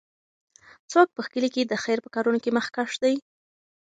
څوک په کلي کې د خیر په کارونو کې مخکښ دی؟